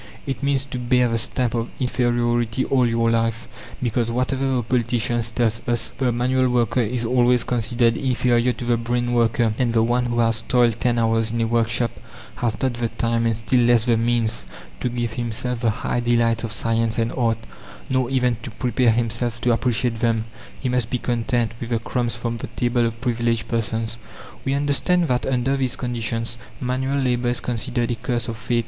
It means to bear the stamp of inferiority all your life; because, whatever the politicians tell us, the manual worker is always considered inferior to the brain worker, and the one who has toiled ten hours in a workshop has not the time, and still less the means, to give himself the high delights of science and art, nor even to prepare himself to appreciate them; he must be content with the crumbs from the table of privileged persons. We understand that under these conditions manual labour is considered a curse of fate.